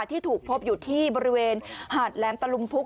ที่ถูกพบอยู่ที่บริเวณหาดแหลมตะลุมพุก